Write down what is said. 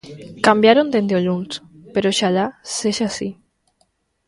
Cambiaron dende o luns, pero oxalá sexa así.